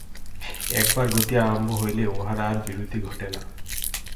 একবার গতি আরম্ভ হইলে উহার আর বিরতি ঘটে না।